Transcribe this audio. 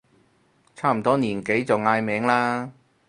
差唔多年紀就嗌名啦